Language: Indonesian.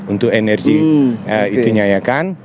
untuk energi itunya ya kan